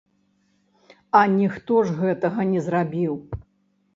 А ніхто ж гэтага не зрабіў.